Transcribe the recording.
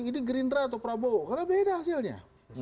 ini gerindra atau prabowo karena beda hasilnya